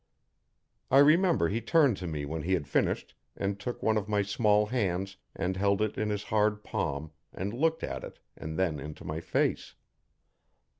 I remember he turned to me when he had finished and took one of my small hands and held it in his hard palm and looked at it and then into my face.